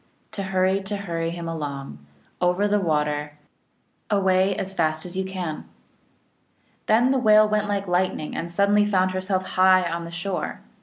To hurry, to hurry him along, Over the water, Away as fast as you can !" Then the Whale went like lightning, and suddenly found herself high on the shore.